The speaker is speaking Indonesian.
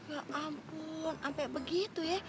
ya ampun sampai begitu ya